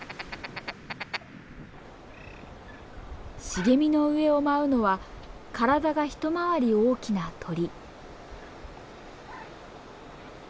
茂みの上を舞うのは体が一回り大きな鳥。